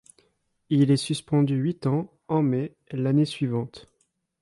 Il est suspendu huit ans, en mai, l'année suivante.